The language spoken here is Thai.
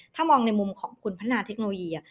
ถ้ามองในมุมของคุณพัฒนาเทคโนโลยี